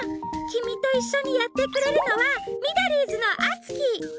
きみといっしょにやってくれるのはミドリーズのあつき！